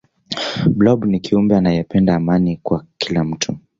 blob ni kiumbe anayependa amani kwa kila mtu